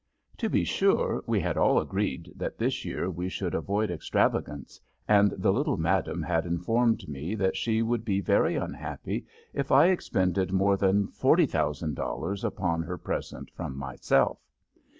To be sure, we had all agreed that this year we should avoid extravagance, and the little madame had informed me that she would be very unhappy if I expended more than $40,000 upon her present from myself.